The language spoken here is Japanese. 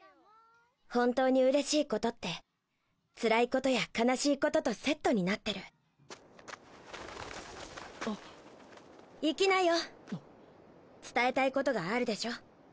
本当にうれしいことってつらいことや悲しいこととセットになってるあっ行きなよ伝えたいことがあるでしょ